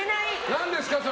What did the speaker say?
何ですか？